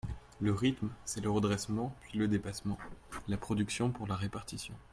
Le rythme, c’est le redressement puis le dépassement, la production pour la répartition.